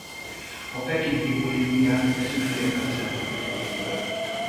A pekingi olimpián ezüstérmet szerzett egyéniben.